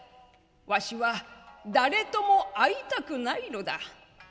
わしは誰とも会いたくないのだ」。